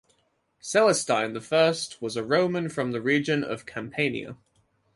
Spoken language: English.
Celestine the First was a Roman from the region of Campania.